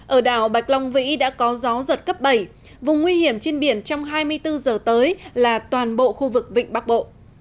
ở đảo bạch long vĩ đã có gió giật cấp bảy vùng nguy hiểm trên biển trong hai mươi bốn giờ tới là toàn bộ khu vực vịnh bắc bộ